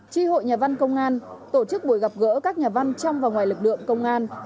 tri hội nhà văn công an tổ chức buổi gặp gỡ các nhà văn trong và ngoài lực lượng công an